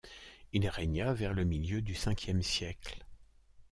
Il régna vers le milieu du Ve siècle.